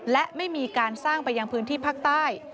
และไม่มีการสร้างไปยังพื้นที่ภาคใต้